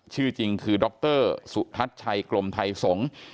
ชื่อจริงคือดรสุทัศน์ชัยกลมไทยสงฆ์